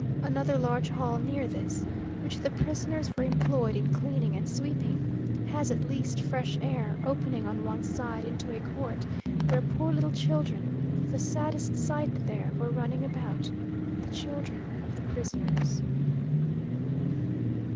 Another large hall near this, which the prisoners were employed in cleaning and sweeping, has at least fresh air, opening on one side into a court, where poor little children, the saddest sight there, were running about the children of the prisoners.